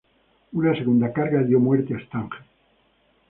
Una segunda carga dio muerte a Stange.